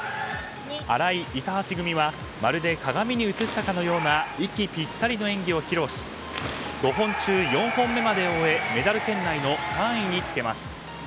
荒井、板橋組はまるで鏡に映したかのような息ぴったりの演技を披露し５本中４本目までを終えメダル圏内の３位につけます。